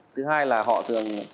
thứ hai là họ thường